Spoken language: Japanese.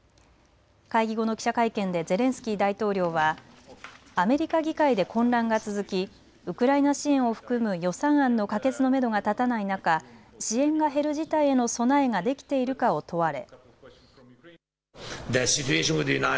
会議後の記者会見でゼレンスキー大統領はアメリカ議会で混乱が続きウクライナ支援を含む予算案の可決のめどが立たない中、支援が減る事態への備えができているかを問われ。